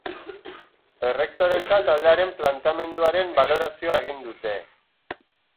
Errektoretza Taldearen planteamenduaren balorazioa egin dute.